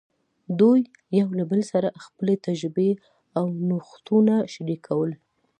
دوی یو بل سره خپلې تجربې او نوښتونه شریکول.